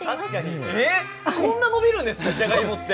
えっ、こんな伸びるんですか、じゃがいもって。